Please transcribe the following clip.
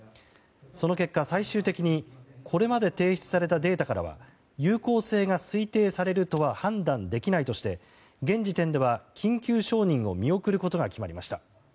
その結果、最終的にこれまで提出されたデータからは有効性が推定されるとは判断できないとして現時点では緊急承認を見送ることが決まりました。